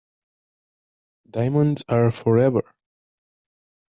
Diamonds are forever.